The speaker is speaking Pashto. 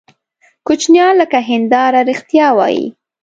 کوچنیان لکه هنداره رښتیا وایي.